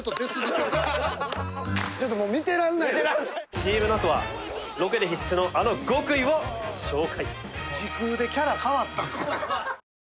ＣＭ のあとはロケで必須のあの極意を紹介